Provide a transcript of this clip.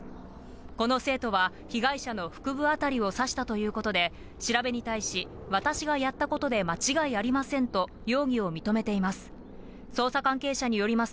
この生徒は、被害者の腹部辺りを刺したということで、調べに対し、私がやったことで間違いありませんと、容疑を認めています。